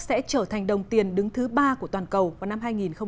sẽ trở thành đồng tiền đứng thứ ba của toàn cầu vào năm hai nghìn ba mươi